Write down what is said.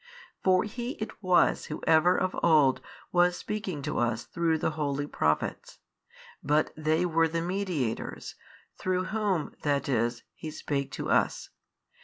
For He it was Who ever of old was speaking to us through the holy Prophets, but they were the mediators, through whom (that is) He spake to us.